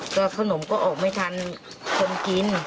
ก็ขนมก็ออกไม่ทันคนกิน